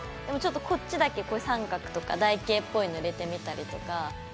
ちょっとこっちだけこういう三角とか台形っぽいの入れてみたりとか。